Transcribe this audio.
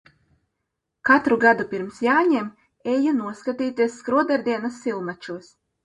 "Katru gadu pirms Jāņiem eju noskatīties ""Skroderdienas Silmačos""."